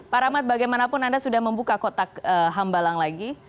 pak rahmat bagaimanapun anda sudah membuka kotak hambalang lagi